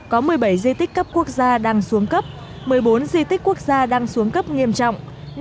có một mươi bảy di tích cấp quốc gia đang xuống cấp một mươi bốn di tích quốc gia đang xuống cấp nghiêm trọng